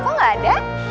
kok gak ada